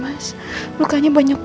masih ada yang nunggu